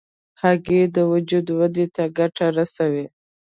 هګۍ د وجود ودې ته ګټه رسوي.